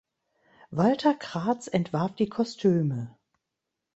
Walter Kraatz entwarf die Kostüme.